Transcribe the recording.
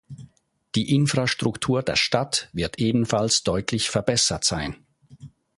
Die Infrastruktur der Stadt wird ebenfalls deutlich verbessert sein.